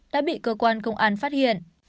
đã bị cơ quan công an phát hiện